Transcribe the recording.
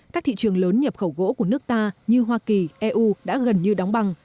các thị trường lớn nhập khẩu gỗ của nước ta như hoa kỳ eu đã gần như đóng băng